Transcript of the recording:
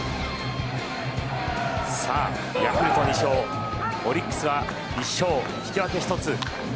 ヤクルト２勝、オリックス１勝引き分け１つ。